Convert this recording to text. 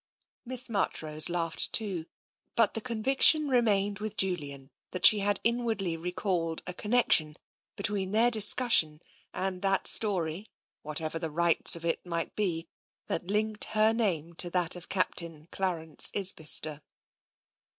Miss Marchrose laughed too, but the conviction re mained with Julian that she had inwardly recalled a connection between their discussion and that story, whatever the rights of it might be, that linked her name to that of Captain Clarence Isbister.